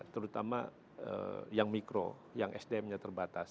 terutama yang mikro yang sdm nya terbatas